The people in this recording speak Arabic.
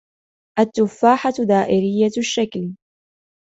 التفاحة دائرية الشكل.